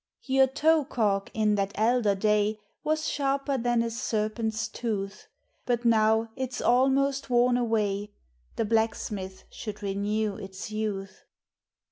Your toe calk, in that elder day, Was sharper than a serpent's tooth; But now it's almost worn away; The blacksmith should renew its youth.